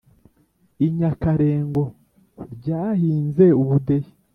i nyakarengo ryahinze ubudehe.